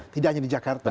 tidak hanya di jakarta